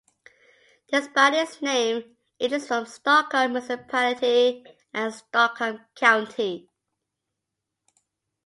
Despite its name, it is from Stockholm Municipality and Stockholm County.